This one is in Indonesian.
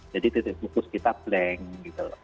jadi titik fokus kita blank gitu loh